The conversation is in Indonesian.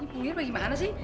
ini mulia bagaimana sih